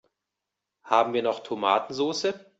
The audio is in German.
Haben wir noch Tomatensoße?